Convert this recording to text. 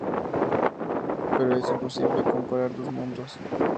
Pero es imposible comparar dos mundos.